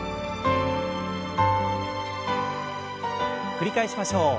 繰り返しましょう。